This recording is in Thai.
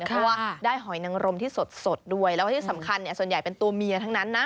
เพราะว่าได้หอยนังรมที่สดด้วยแล้วที่สำคัญส่วนใหญ่เป็นตัวเมียทั้งนั้นนะ